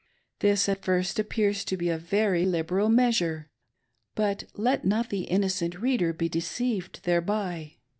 This, at first, appears to be a very liberal measure ; but let not the innocent reader be deceived thereby.